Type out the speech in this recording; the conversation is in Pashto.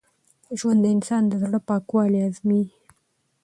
ژوند د انسان د زړه پاکوالی ازمېيي.